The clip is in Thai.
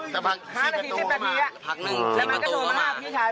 แล้วมันก็จอดห้านาทีไม่แปดเมียแต่มันก็โดนมาห้าพี่ชาย